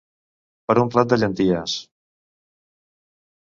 Per un plat de llenties.